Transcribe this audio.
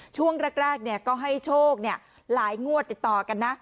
ช่วงแรกแรกเนี่ยก็ให้โชคเนี่ยหลายงวดติดต่อกันนะ